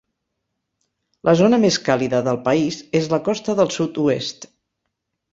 La zona més càlida del país és la costa del sud-oest.